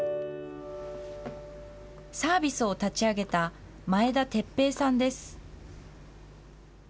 サービスを立ち上げた前田哲平さんです。